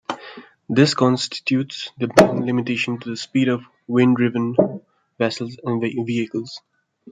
This constitutes the main limitation to the speed of wind-driven vessels and vehicles.